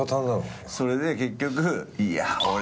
それで結局「いや」。